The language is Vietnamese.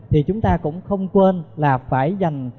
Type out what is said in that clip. thì chúng ta cũng không quên là phải dành